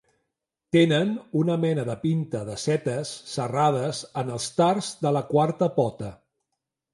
Tenen una mena de pinta de setes serrades en el tars de la quarta pota.